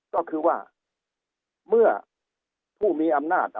ก็คือว่าเมื่อผู้มีอำนาจ